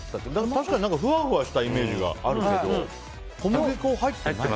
確かにふわふわしたイメージがあるけど小麦粉入ってない？